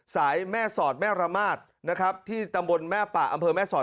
สายแม่สอดแม่ระมาทนะครับที่ตำบลแม่ป่าอำเภอแม่สอด